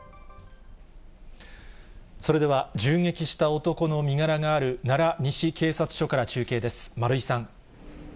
それでは銃撃した男の身柄がある、奈良西警察署から中継です。